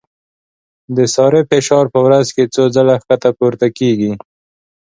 د سارې فشار په ورځ کې څو ځله ښکته پورته کېږي.